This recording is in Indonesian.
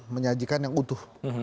menyajikan yang utuh